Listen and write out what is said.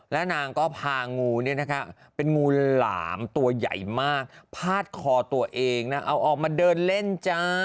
แล้วนางก็พางูเนี่ยนะคะเป็นงูหลามตัวใหญ่มากพาดคอตัวเองนะเอาออกมาเดินเล่นจ้า